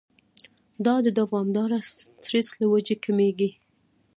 دا د دوامداره سټرېس له وجې کميږي